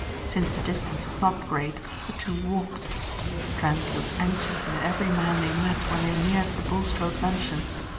Since the distance was not great the two walked. Trent looked anxiously at every man they met when they neared the Bulstrode mansion.